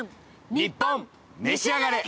『ニッポンめしあがれ』。